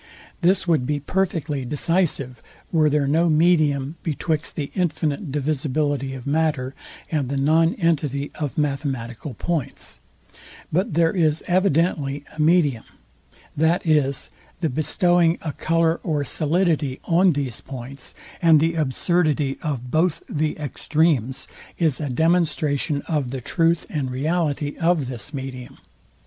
This would be perfectly decisive, were there no medium betwixt the infinite divisibility of matter, and the non entity of mathematical points. But there is evidently a medium, viz. the bestowing a colour or solidity on these points; and the absurdity of both the extremes is a demonstration of the truth and reality of this medium.